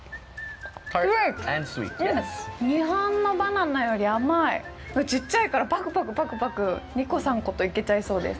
スイート日本のバナナより甘い小っちゃいからパクパクパクパク２個・３個といけちゃいそうです